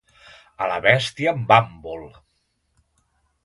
A la bèstia en bàmbol.